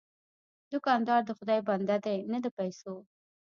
دوکاندار د خدای بنده دی، نه د پیسو.